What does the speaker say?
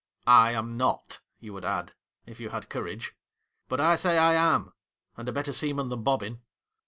' I am not, you would add — if you had courage. But I say I am, and a better sea man than Bobbin.'